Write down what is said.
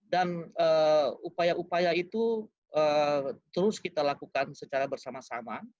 dan upaya upaya itu terus kita lakukan secara bersama sama